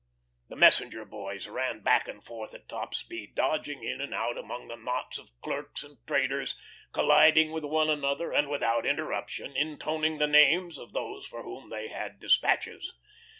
The messenger boys ran back and forth at top speed, dodging in and out among the knots of clerks and traders, colliding with one another, and without interruption intoning the names of those for whom they had despatches.